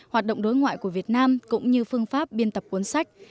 hoạt động đối ngoại của việt nam cũng như phương pháp biên tập cuốn sách